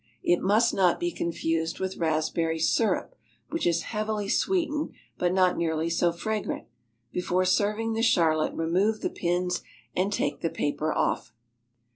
It must not be confused with raspberry syrup, which is heavily sweetened, but not nearly so fragrant. Before serving the charlotte remove the pins and take the paper off.